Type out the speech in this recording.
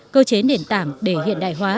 cơ chế nền tảng để hiện đại hóa